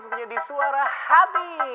tentunya di suara hati